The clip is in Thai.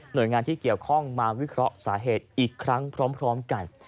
โดยงานที่เกี่ยวข้องมาวิเคราะห์สาเหตุอีกครั้งพร้อมกัน